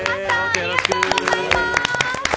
ありがとうございます。